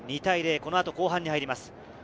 この後、後半に入ります。